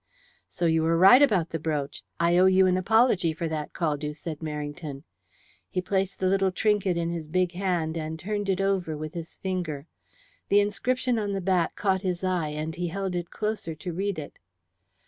"So you were right about the brooch. I owe you an apology for that, Caldew," said Merrington. He placed the little trinket in his big hand, and turned it over with his finger. The inscription on the back caught his eye, and he held it closer to read it.